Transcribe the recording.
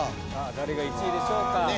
誰が１位でしょうか。